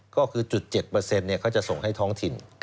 ก็คือจุด๗เขาจะส่งให้ท้องถิ่น